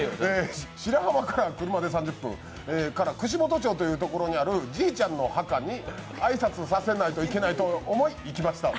白浜から車で３０分から串本町というところにあるじいちゃんの墓に挨拶させないといけないと思い、行きました。